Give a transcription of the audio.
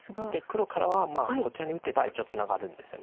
黒からはこちらに打てば一応ツナがるんですよね。